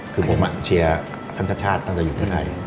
คือผมเชียร์ท่านชัดชาติตั้งแต่อยู่เพื่อไทย